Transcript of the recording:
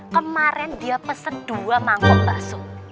kemarin dia pesen dua mangkok bakso